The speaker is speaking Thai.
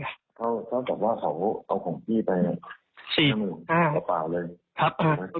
เขาเขาแบบว่าเขาเอาของพี่ไปสี่ห้าประเป๋าเลย